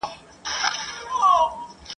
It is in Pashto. یو لوی ډنډ وو تر سایو د ونو لاندي ..